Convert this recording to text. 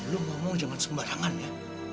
lu ngomong cuma sembarangan ya